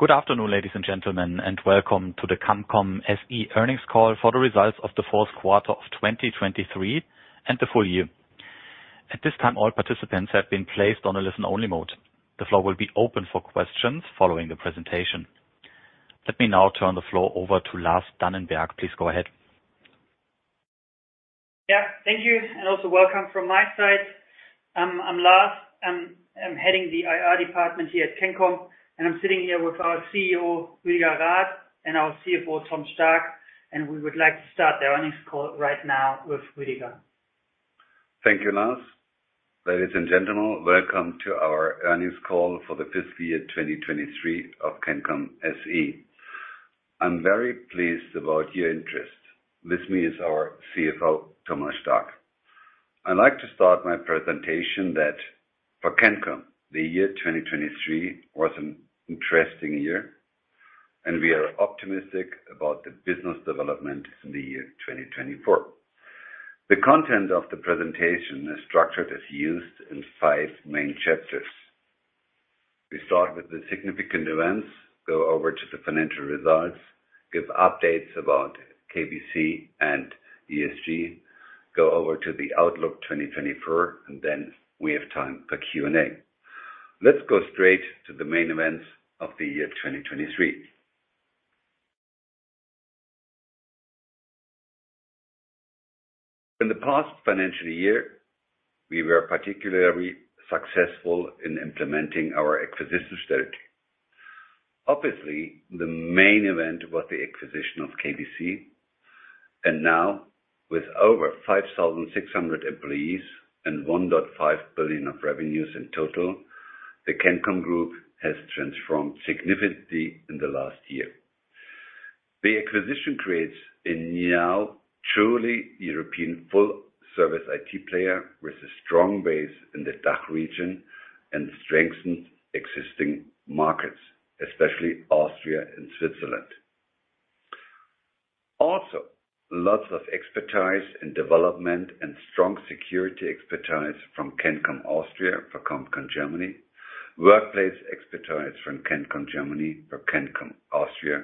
Good afternoon, ladies and gentlemen, and welcome to the CANCOM SE Earnings Call for the Results of the Fourth Quarter of 2023 and the Full Year. At this time, all participants have been placed on a listen-only mode. The floor will be open for questions following the presentation. Let me now turn the floor over to Lars Dannenberg. Please go ahead. Yeah. Thank you. Also welcome from my side. I'm Lars. I'm heading the IR department here at CANCOM, and I'm sitting here with our CEO, Rüdiger Rath, and our CFO, Thomas Stark. We would like to start the earnings call right now with Rüdiger. Thank you, Lars. Ladies and gentlemen, welcome to our earnings call for the fiscal year 2023 of CANCOM SE. I'm very pleased about your interest. With me is our CFO, Thomas Stark. I'd like to start my presentation that for CANCOM, the year 2023 was an interesting year, and we are optimistic about the business development in the year 2024. The content of the presentation is structured as used in five main chapters. We start with the significant events, go over to the financial results, give updates about KBC and ESG, go over to the Outlook 2024, and then we have time for Q&A. Let's go straight to the main events of the year 2023. In the past financial year, we were particularly successful in implementing our acquisition strategy. Obviously, the main event was the acquisition of KBC. Now, with over 5,600 employees and 1.5 billion of revenues in total, the CANCOM Group has transformed significantly in the last year. The acquisition creates a now truly European full-service IT player with a strong base in the DACH region and strengthens existing markets, especially Austria and Switzerland. Also, lots of expertise in development and strong security expertise from CANCOM Austria for CANCOM Germany, workplace expertise from CANCOM Germany for CANCOM Austria.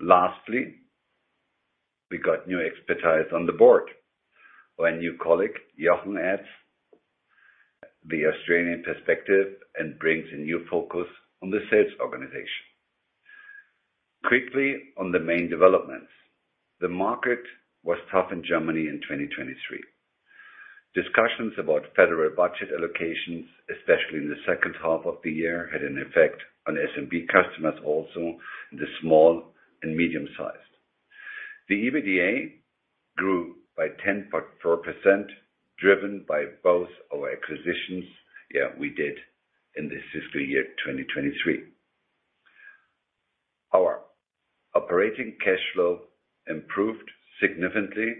Lastly, we got new expertise on the board. Our new colleague, Jochen, adds the Austrian perspective and brings a new focus on the sales organization. Quickly on the main developments. The market was tough in Germany in 2023. Discussions about federal budget allocations, especially in the second half of the year, had an effect on SMB customers also, the small and medium-sized. The EBITDA grew by 10.4%, driven by both our acquisitions, yeah, we did in the fiscal year 2023. Our operating cash flow improved significantly.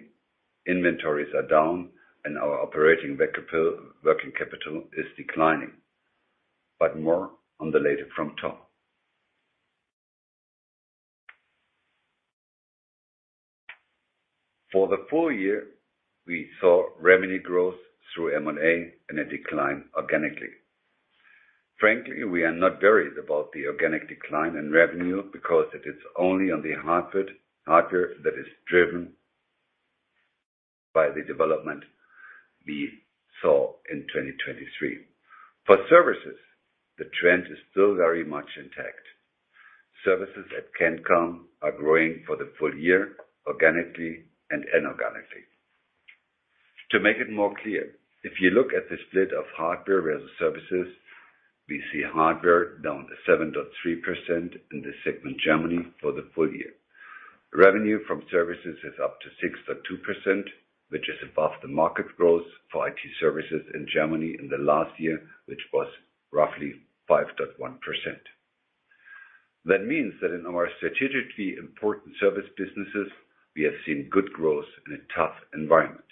Inventories are down, and our operating working capital is declining. But more on the latter from Tom. For the full year, we saw revenue growth through M&A and a decline organically. Frankly, we are not worried about the organic decline in revenue because it is only on the hardware that is driven by the development we saw in 2023. For services, the trend is still very much intact. Services at Cancom are growing for the full year organically and inorganically. To make it more clear, if you look at the split of hardware versus services, we see hardware down 7.3% in the segment Germany for the full year. Revenue from services is up 6.2%, which is above the market growth for IT services in Germany in the last year, which was roughly 5.1%. That means that in our strategically important service businesses, we have seen good growth in a tough environment.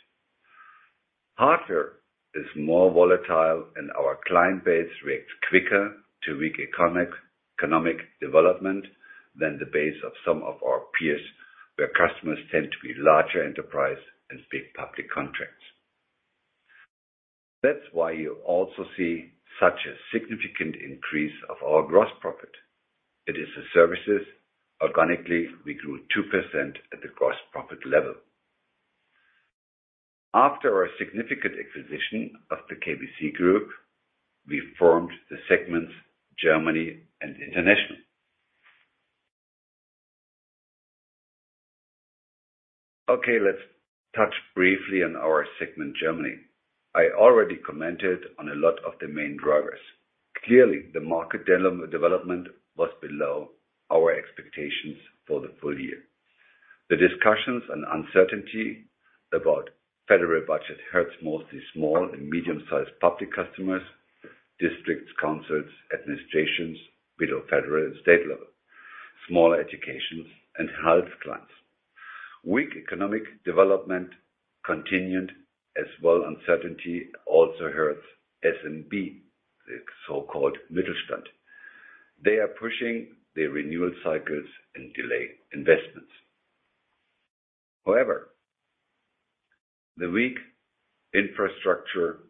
Hardware is more volatile, and our client base reacts quicker to weak economic development than the base of some of our peers, where customers tend to be larger enterprises and big public contracts. That's why you also see such a significant increase of our gross profit. It is the services. Organically, we grew 2% at the gross profit level. After our significant acquisition of the KBC Group, we formed the segments Germany and International. Okay. Let's touch briefly on our segment Germany. I already commented on a lot of the main drivers. Clearly, the market development was below our expectations for the full year. The discussions and uncertainty about federal budget hurt mostly small and medium-sized public customers, districts, councils, administrations below federal and state level, smaller educations, and health clients. Weak economic development continued, as well as uncertainty also hurt SMB, the so-called Mittelstand. They are pushing their renewal cycles and delay investments. However, the weak infrastructure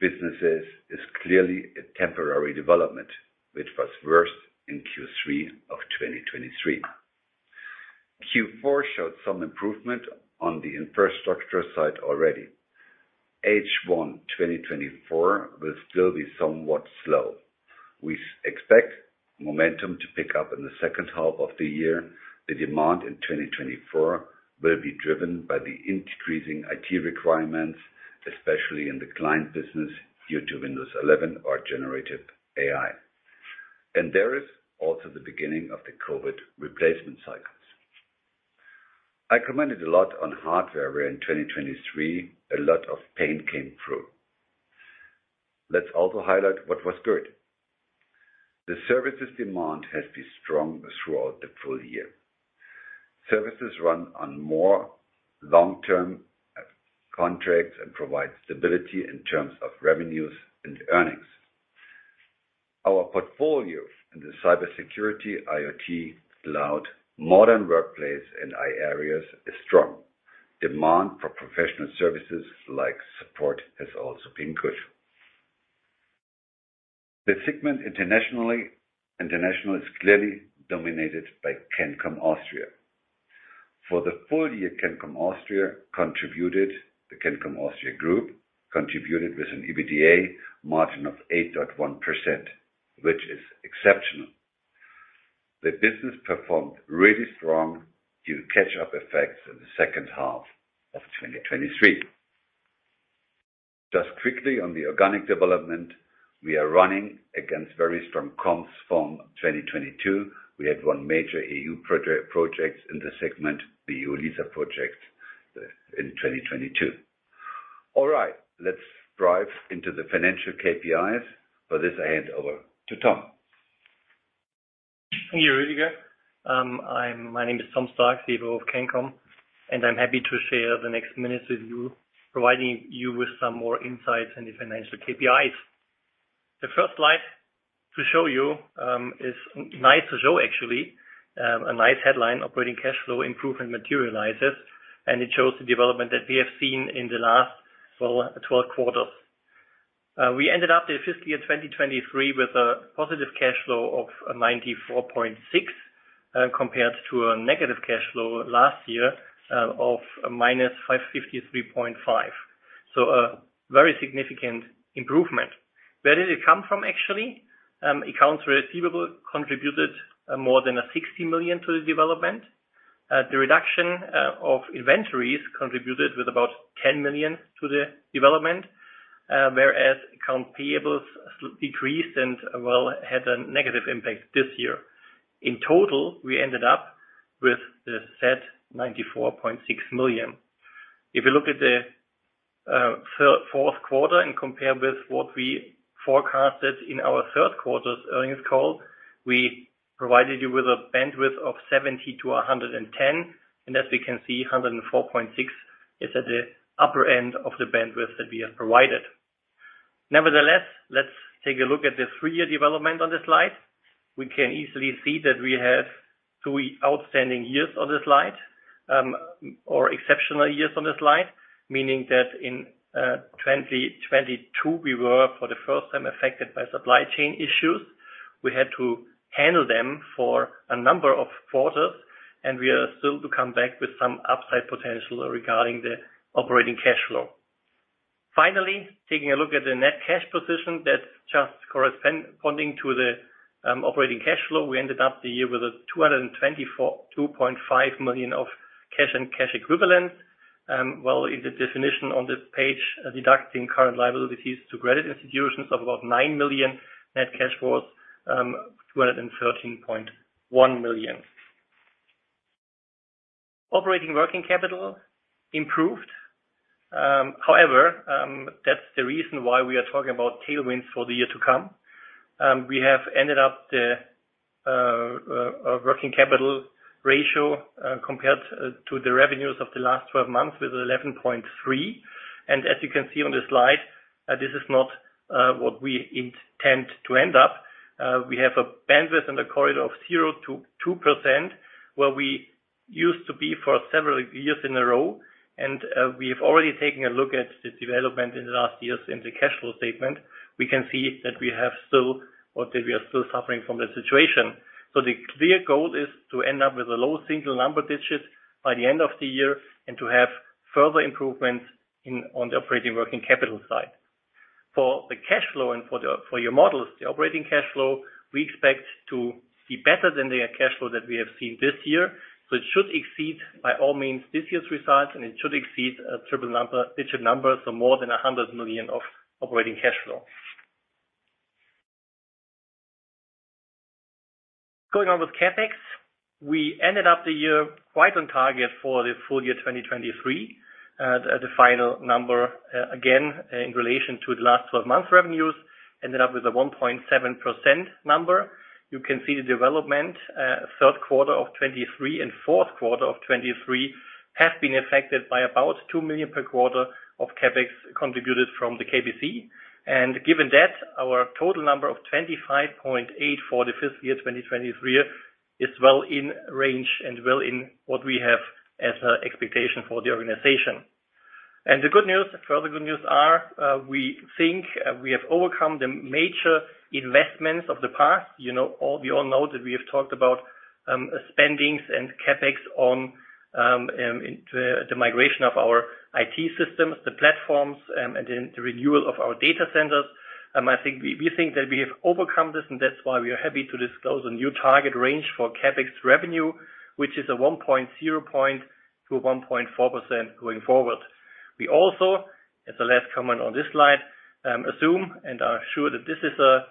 businesses is clearly a temporary development, which was worst in Q3 of 2023. Q4 showed some improvement on the infrastructure side already. H1 2024 will still be somewhat slow. We expect momentum to pick up in the second half of the year. The demand in 2024 will be driven by the increasing IT requirements, especially in the client business due to Windows 11 or generative AI. There is also the beginning of the COVID replacement cycles. I commented a lot on hardware where in 2023, a lot of pain came through. Let's also highlight what was good. The services demand has been strong throughout the full year. Services run on more long-term contracts and provide stability in terms of revenues and earnings. Our portfolio in the cybersecurity, IoT, cloud, modern workplace, and AI areas is strong. Demand for professional services like support has also been good. The segment internationally is clearly dominated by CANCOM Austria. For the full year, CANCOM Austria contributed the CANCOM Austria Group contributed with an EBITDA margin of 8.1%, which is exceptional. The business performed really strong due to catch-up effects in the second half of 2023. Just quickly on the organic development, we are running against very strong comps from 2022. We had one major EU project in the segment, the eu-LISA project, in 2022. All right. Let's dive into the financial KPIs. For this, I hand over to Tom. Thank you, Rüdiger. My name is Thomas Stark, CFO of CANCOM, and I'm happy to share the next minutes with you, providing you with some more insights in the financial KPIs. The first slide to show you is nice to show, actually. A nice headline, "Operating Cash Flow Improvement Materializes," and it shows the development that we have seen in the last, well, 12 quarters. We ended up the fiscal year 2023 with a positive cash flow of 94.6 million compared to a negative cash flow last year of minus 553.5 million. So a very significant improvement. Where did it come from, actually? Accounts receivable contributed more than 60 million to the development. The reduction of inventories contributed with about 10 million to the development, whereas account payables decreased and, well, had a negative impact this year. In total, we ended up with the set 94.6 million. If you look at the fourth quarter and compare with what we forecasted in our third quarter's earnings call, we provided you with a bandwidth of 70-110. As we can see, 104.6 is at the upper end of the bandwidth that we have provided. Nevertheless, let's take a look at the three-year development on this slide. We can easily see that we have three outstanding years on this slide or exceptional years on this slide, meaning that in 2022, we were for the first time affected by supply chain issues. We had to handle them for a number of quarters, and we are still to come back with some upside potential regarding the operating cash flow. Finally, taking a look at the net cash position that's just corresponding to the operating cash flow, we ended up the year with 224.5 million of cash and cash equivalents. Well, in the definition on this page, deducting current liabilities to credit institutions of about 9 million net cash flows, 213.1 million. Operating working capital improved. However, that's the reason why we are talking about tailwinds for the year to come. We have ended up the working capital ratio compared to the revenues of the last 12 months with 11.3%. And as you can see on this slide, this is not what we intend to end up. We have a bandwidth in the corridor of 0%-2%, where we used to be for several years in a row. And we have already taken a look at the development in the last years in the cash flow statement. We can see that we have still or that we are still suffering from the situation. So the clear goal is to end up with a low single-digit number by the end of the year and to have further improvements on the operating working capital side. For the cash flow and for your models, the operating cash flow, we expect to be better than the cash flow that we have seen this year. So it should exceed by all means this year's results, and it should exceed a triple-digit number, so more than 100 million of operating cash flow. Going on with CapEx, we ended up the year quite on target for the full year 2023. The final number, again, in relation to the last 12 months' revenues, ended up with a 1.7% number. You can see the development, third quarter of 2023 and fourth quarter of 2023, have been affected by about 2 million per quarter of CapEx contributed from the KBC. Given that, our total number of 25.8 for the fiscal year 2023 is well in range and well in what we have as an expectation for the organization. The good news, further good news are we think we have overcome the major investments of the past. We all know that we have talked about spendings and CapEx on the migration of our IT systems, the platforms, and then the renewal of our data centers. I think we think that we have overcome this, and that's why we are happy to disclose a new target range for CapEx revenue, which is a 1.0%-1.4% going forward. We also, as the last comment on this slide, assume and are sure that this is a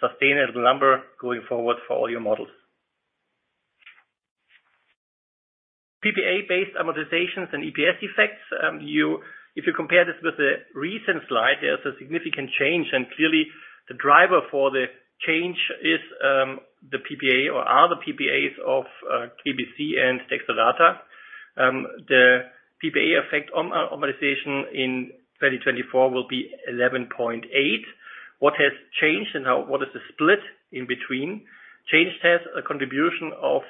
sustainable number going forward for all your models. PPA-based amortizations and EPS effects. If you compare this with the recent slide, there's a significant change. Clearly, the driver for the change is the PPA or other PPAs of KBC and DextraData. The PPA effect on amortization in 2024 will be 11.8. What has changed and what is the split in between? Changed has a contribution of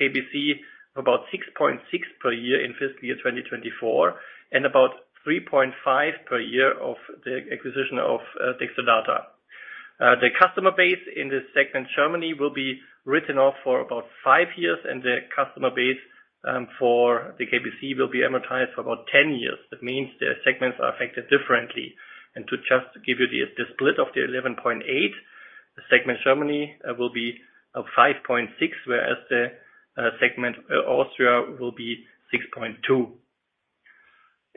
KBC of about 6.6 per year in fiscal year 2024 and about 3.5 per year of the acquisition of DextraData. The customer base in the segment Germany will be written off for about five years, and the customer base for the KBC will be amortized for about 10 years. That means their segments are affected differently. To just give you the split of the 11.8, the segment Germany will be 5.6, whereas the segment Austria will be 6.2.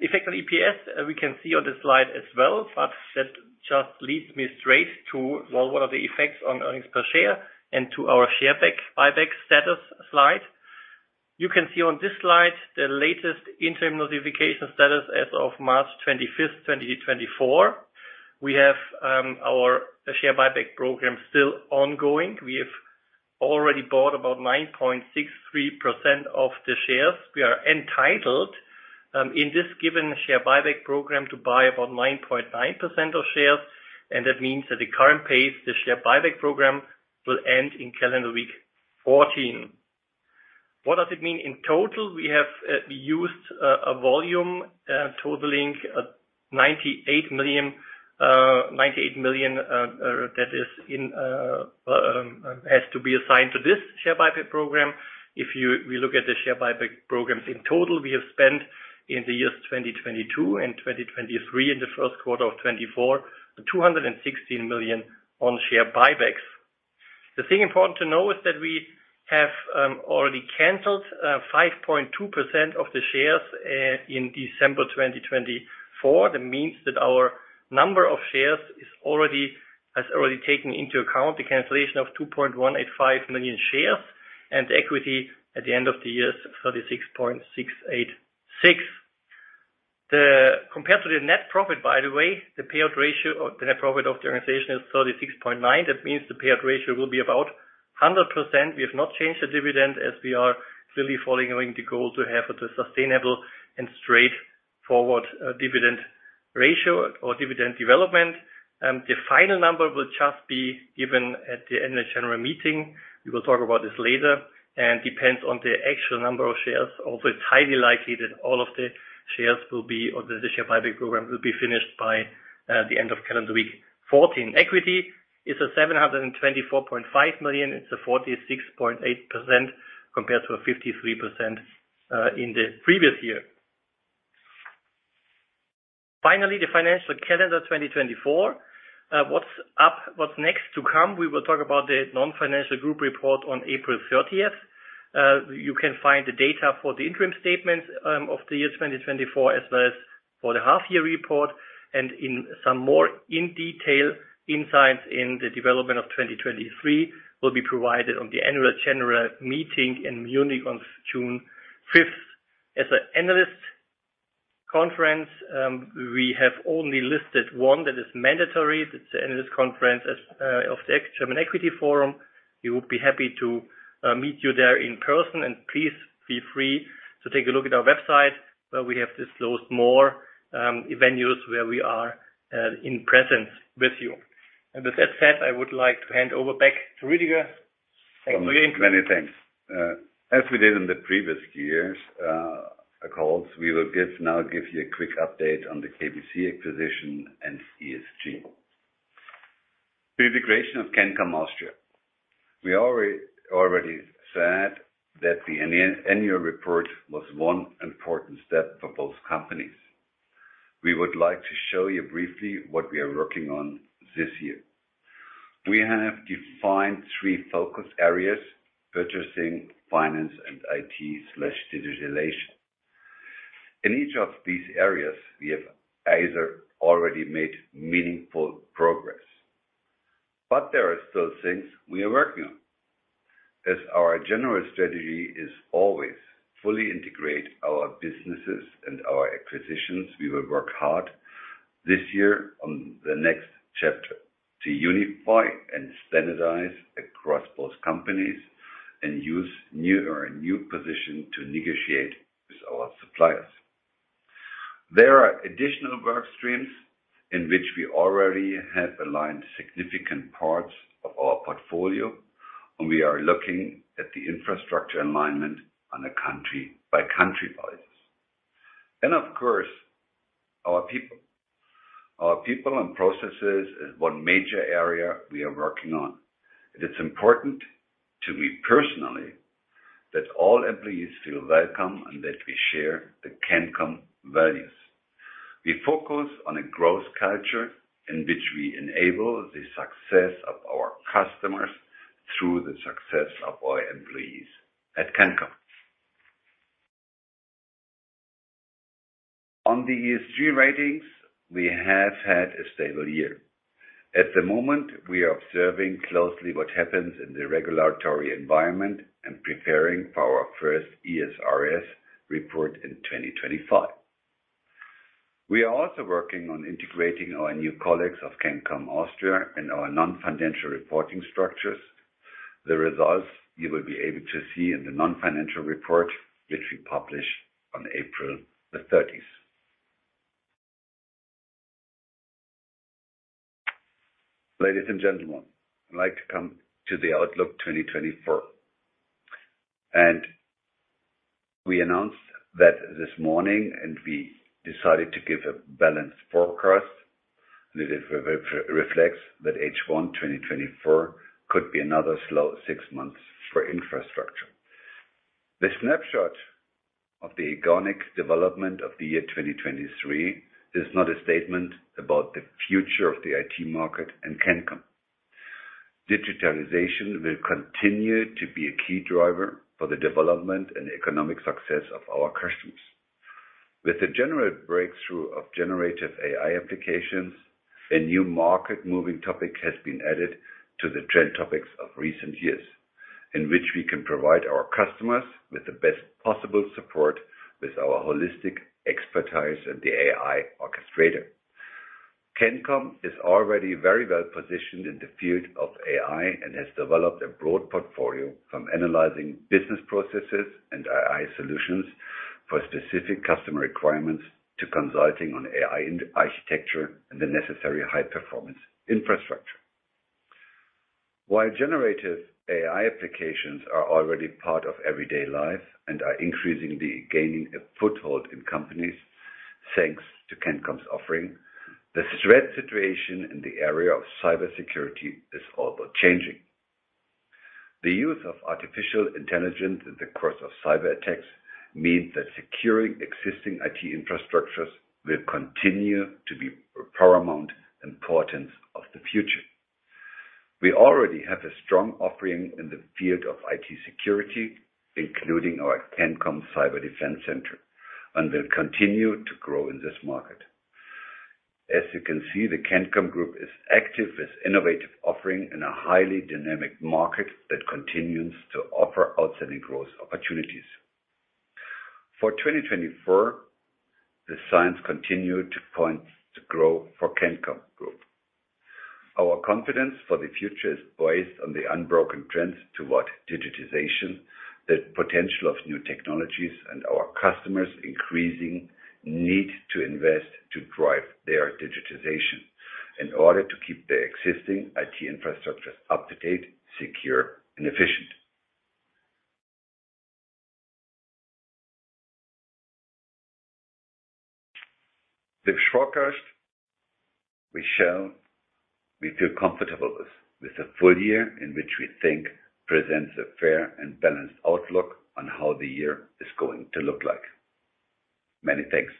Effect on EPS, we can see on this slide as well, but that just leads me straight to, well, what are the effects on earnings per share and to our share buyback status slide. You can see on this slide the latest interim notification status as of March 25th, 2024. We have our share buyback program still ongoing. We have already bought about 9.63% of the shares. We are entitled in this given share buyback program to buy about 9.9% of shares. And that means that at current pace, the share buyback program will end in calendar week 14. What does it mean? In total, we have used a volume totaling 98 million that has to be assigned to this share buyback program. If we look at the share buyback programs in total, we have spent in the years 2022 and 2023 in the first quarter of 2024, 216 million on share buybacks. The thing important to know is that we have already canceled 5.2% of the shares in December 2024. That means that our number of shares has already taken into account the cancellation of 2.185 million shares and equity at the end of the year is 36.686. Compared to the net profit, by the way, the payout ratio or the net profit of the organization is 36.9. That means the payout ratio will be about 100%. We have not changed the dividend as we are clearly following the goal to have a sustainable and straightforward dividend ratio or dividend development. The final number will just be given at the end of the general meeting. We will talk about this later. And depends on the actual number of shares. Also, it's highly likely that all of the shares will be or that the share buyback program will be finished by the end of calendar week 14. Equity is 724.5 million. It's 46.8% compared to 53% in the previous year. Finally, the financial calendar 2024. What's next to come? We will talk about the non-financial group report on April 30th. You can find the data for the interim statements of the year 2024 as well as for the half-year report. And some more in detail insights in the development of 2023 will be provided on the Annual General Meeting in Munich on June 5th as an analyst conference. We have only listed one that is mandatory. That's the analyst conference of the German Equity Forum. We would be happy to meet you there in person. Please feel free to take a look at our website, where we have disclosed more venues where we are in presence with you. With that said, I would like to hand over back to Rüdiger. Thanks for your interest. Many thanks. As we did in the previous years' calls, we will now give you a quick update on the KBC acquisition and ESG. The integration of CANCOM Austria. We already said that the annual report was one important step for both companies. We would like to show you briefly what we are working on this year. We have defined three focus areas: purchasing, finance, and IT/digitalization. In each of these areas, we have either already made meaningful progress. But there are still things we are working on. As our general strategy is always fully integrate our businesses and our acquisitions, we will work hard this year on the next chapter to unify and standardize across both companies and use new position to negotiate with our suppliers. There are additional work streams in which we already have aligned significant parts of our portfolio, and we are looking at the infrastructure alignment by country prices. Of course, our people. Our people and processes is one major area we are working on. It is important to me personally that all employees feel welcome and that we share the CANCOM values. We focus on a growth culture in which we enable the success of our customers through the success of our employees at CANCOM. On the ESG ratings, we have had a stable year. At the moment, we are observing closely what happens in the regulatory environment and preparing for our first ESRS report in 2025. We are also working on integrating our new colleagues of CANCOM Austria and our non-financial reporting structures. The results, you will be able to see in the non-financial report which we publish on April the 30th. Ladies and gentlemen, I'd like to come to the Outlook 2024. We announced that this morning, and we decided to give a balanced forecast that reflects that H1 2024 could be another slow six months for infrastructure. The snapshot of the organic development of the year 2023 is not a statement about the future of the IT market and CANCOM. Digitalization will continue to be a key driver for the development and economic success of our customers. With the general breakthrough of generative AI applications, a new market-moving topic has been added to the trend topics of recent years in which we can provide our customers with the best possible support with our holistic expertise and the AI Orchestrator. CANCOM is already very well positioned in the field of AI and has developed a broad portfolio from analyzing business processes and AI solutions for specific customer requirements to consulting on AI architecture and the necessary high-performance infrastructure. While generative AI applications are already part of everyday life and are increasingly gaining a foothold in companies thanks to CANCOM's offering, the threat situation in the area of cybersecurity is also changing. The use of artificial intelligence in the course of cyberattacks means that securing existing IT infrastructures will continue to be of paramount importance in the future. We already have a strong offering in the field of IT security, including our CANCOM Cyber Defense Center, and will continue to grow in this market. As you can see, the CANCOM Group is active with innovative offering in a highly dynamic market that continues to offer outstanding growth opportunities. For 2024, the signs continue to point to growth for CANCOM Group. Our confidence for the future is based on the unbroken trends toward digitization, the potential of new technologies, and our customers' increasing need to invest to drive their digitization in order to keep their existing IT infrastructures up to date, secure, and efficient. The forecast we feel comfortable with, with the full year in which we think, presents a fair and balanced outlook on how the year is going to look like. Many thanks.